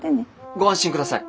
ご安心ください。